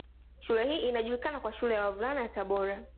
Shule hii inajulikana kwa shule ya Wavulana ya Tabora